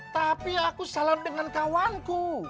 tapi aku salah dengan kawanku